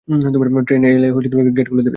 Train এলে gate খুলে দিবে।